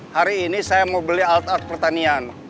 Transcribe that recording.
hari ini saya mau beli alat alat pertanian